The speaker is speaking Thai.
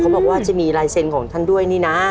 บอกว่าจะมีลายเซ็นต์ของท่านด้วยนี่นะ